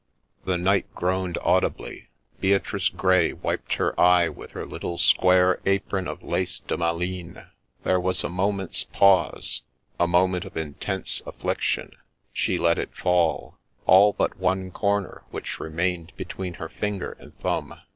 The knight groaned audibly ; Beatrice Grey wiped her eye with her little square apron of lace de Malines ; there was a moment's pause, — a moment of intense affliction ; she let it fall, — all but one corner, which remained between her finger and thumb.